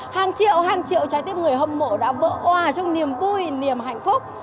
hàng triệu hàng triệu trái tim người hâm mộ đã vỡ hòa trong niềm vui niềm hạnh phúc